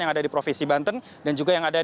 yang ada di provinsi banten dan juga yang ada